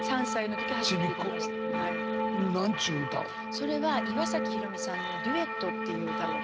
それは岩崎宏美さんの「二重奏」っていう歌を。